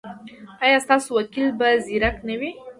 ایا ستاسو وکیل به زیرک نه وي؟